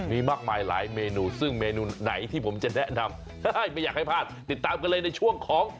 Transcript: มีมากมายหลายเมนูซึ่งเมนูไหนที่ผมจะแนะนำไม่อยากให้พลาดติดตามกันเลยในช่วงของ